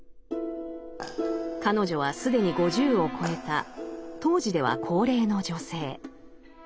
彼女は既に５０を超えた当時では高齢の女性。